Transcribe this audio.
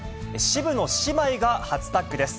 渋野姉妹が初タッグです。